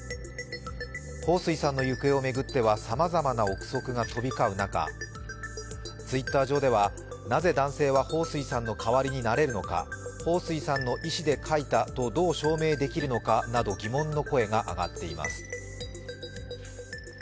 彭帥さんの行方を巡ってはさまざまな臆測が飛び交う中、Ｔｗｉｔｔｅｒ上ではなぜ男性は彭帥さんの代わりになれるのか、彭帥さんの意思で書いたとどう証明できるのかなどと疑問の声が上がっています。